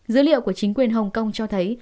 dữ liệu của chính quyền hồng kông cho thấy